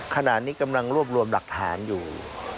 ขณะนี้กำลังรวบรวมหลักฐานอยู่